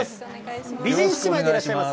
美人姉妹でいらっしゃいます。